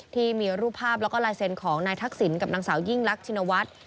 ที่มีรูปภาพแล้วก็ลายเซ็นต์ของนายทักษิณกับนางสาวยิ่งรักชินวัฒน์